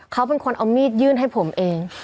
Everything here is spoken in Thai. เขาเป็นคนเอามีดยื่นให้ผมเอง